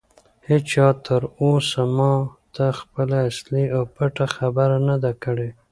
هیچا تر اوسه ماته خپله اصلي او پټه خبره نه ده کړې.